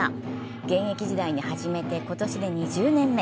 現役時代に始めて、今年で２０年目。